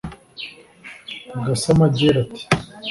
Gasamagera ati